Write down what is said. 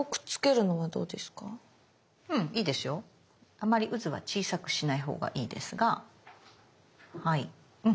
あまりうずは小さくしないほうがいいですがはいうん